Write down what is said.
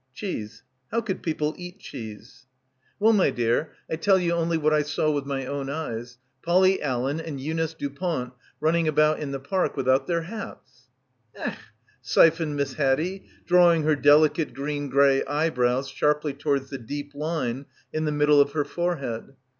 Cheese — how could people eat cheese ? 98 BACKWATER "Well, my dear, I tell you only what I saw with my own eyes — Polly Allen and Eunice Du pont running about in the park without their hats." "Ech," syphoned Miss Haddie, drawing her delicate green grey eyebrows sharply towards the deep line in the middle of her forehead.